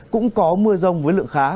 cũng có mưa rông với lượng khá